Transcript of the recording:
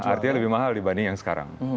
artinya lebih mahal dibanding yang sekarang